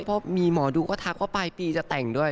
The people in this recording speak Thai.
เพราะมีหมอดูก็ทักว่าปลายปีจะแต่งด้วย